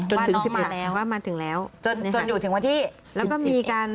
มาถึงที่มาแล้วว่ามาถึงแล้วจนจนอยู่ถึงวันที่แล้วก็มีการ